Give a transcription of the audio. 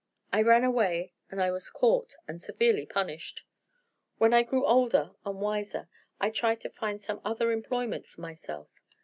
I ran away, and I was caught, and severely punished. When I grew older and wiser, I tried to find some other employment for myself.